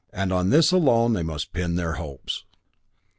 And on this alone they must pin their hopes.